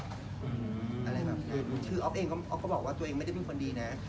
อะไรแบบคืออ๊อฟเองออฟก็บอกว่าตัวเองไม่ได้เป็นคนดีนะ